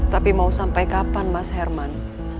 tapi mau sampai kapan mas herman